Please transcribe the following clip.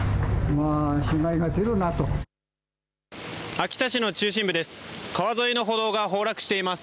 秋田市の中心部です。